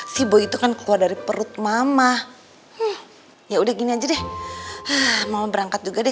sampai jumpa di video selanjutnya